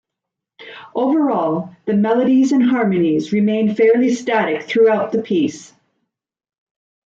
Overall, the melodies and harmonies remain fairly static throughout the piece.